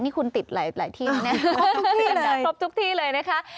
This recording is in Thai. นี่คุณติดหลายหลายที่น่ะครบทุกที่เลยครบทุกที่เลยนะคะ